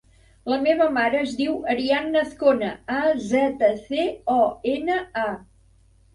La meva mare es diu Arianna Azcona: a, zeta, ce, o, ena, a.